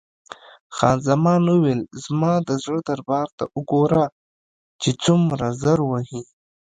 خان زمان وویل: زما د زړه دربا ته وګوره چې څومره زر وهي.